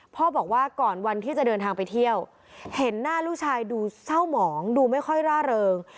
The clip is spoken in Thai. บอกว่าก่อนวันที่จะเดินทางไปเที่ยวเห็นหน้าลูกชายดูเศร้าหมองดูไม่ค่อยร่าเริง